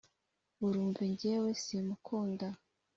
urumve jye we simukunda